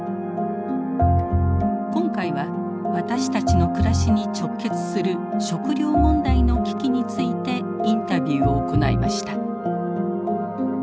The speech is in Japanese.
今回は私たちの暮らしに直結する食料問題の危機についてインタビューを行いました。